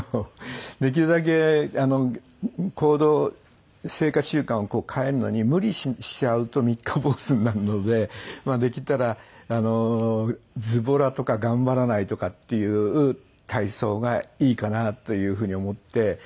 できるだけ行動生活習慣を変えるのに無理しちゃうと三日坊主になるのでできたらズボラとか頑張らないとかっていう体操がいいかなというふうに思って。